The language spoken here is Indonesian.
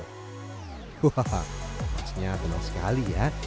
hahaha maksudnya tenang sekali ya